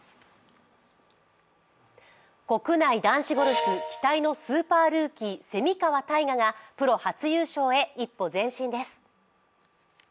国内男子ゴルフ、期待のスーパールーキー、蝉川泰果がプロ初優勝へ一歩前進です。